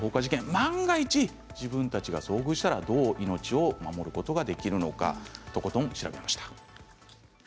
万が一自分たちが遭遇したらどう命を守ることができるのかとことん調べました。